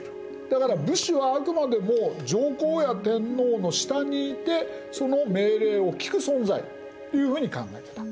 だから武士はあくまでも上皇や天皇の下にいてその命令を聞く存在というふうに考えてた。